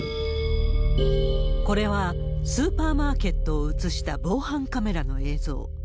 これは、スーパーマーケットを映した防犯カメラの映像。